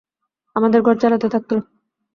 আমাদের ঘর চলতে থাকলো।